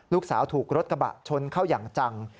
ลูกสาวถูกรถกระบะชนเข้าอย่างจัง